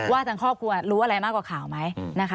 ทางครอบครัวรู้อะไรมากกว่าข่าวไหมนะคะ